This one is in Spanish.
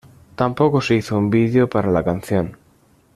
Tampoco se hizo un video para la canción.